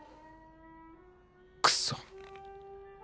クソ！